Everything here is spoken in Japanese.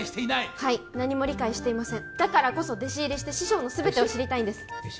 はい何も理解していませんだからこそ弟子入りして師匠の全てを知りたいんです弟子？